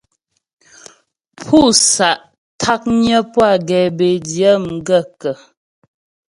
Pú sá'ntǎknyə́ pú a gɛbə̌ŋdyə́ m gaə̂kə́ ?